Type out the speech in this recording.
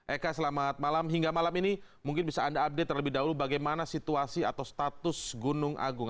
eka selamat malam hingga malam ini mungkin bisa anda update terlebih dahulu bagaimana situasi atau status gunung agung